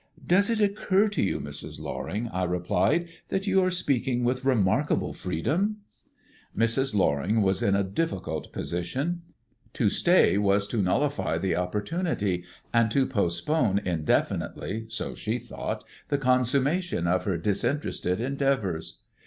"Does it occur to you, Mrs. Loring," I replied, "that you are speaking with remarkable freedom?" Mrs. Loring was in a difficult position. To stay was to nullify the opportunity, and to postpone indefinitely (so she thought) the consummation of her disinterested endeavours.